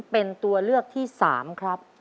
เป็นตัวเลือกที่๓ครับ